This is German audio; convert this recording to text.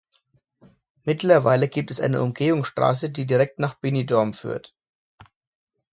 Mittlerweile gibt es eine Umgehungsstraße, die direkt nach Benidorm führt.